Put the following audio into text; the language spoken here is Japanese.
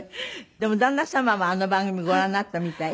でも旦那様はあの番組ご覧になったみたい？